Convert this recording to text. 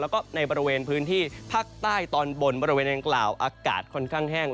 แล้วก็ในบริเวณพื้นที่ภาคใต้ตอนบนบริเวณอังกล่าวอากาศค่อนข้างแห้ง